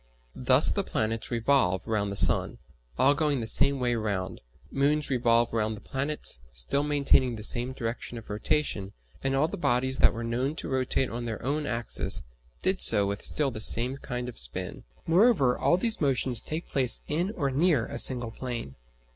Thus the planets revolve round the sun, all going the same way round; moons revolve round the planets, still maintaining the same direction of rotation, and all the bodies that were known to rotate on their own axis did so with still the same kind of spin. Moreover, all these motions take place in or near a single plane.